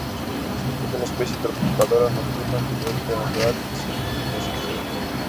Es una especie trepadora nocturna cuyo hábitat natural es el bosque.